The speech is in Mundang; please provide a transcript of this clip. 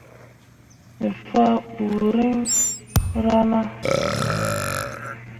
Me fah ɓuriŋ rana.